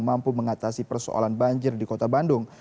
mampu mengatasi persoalan banjir di kota bandung